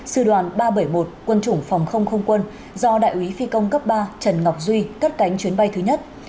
sư đoàn ba trăm bảy mươi một quân chủng phòng không không quân do đại úy phi công cấp ba trần ngọc duy cất cánh chuyến bay thứ nhất